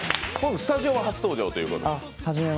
スタジオは初登場ということで。